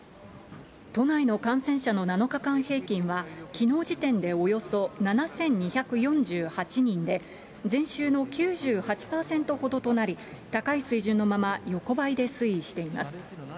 都内の感染者の７日間平均は、きのう時点でおよそ７２４８人で、前週の９８％ほどとなり、高い水準のまま横ばいで推移しています。